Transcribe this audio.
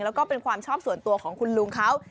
แล้วก็เป็นความชอบส่วนตัวของคุณลุงเขา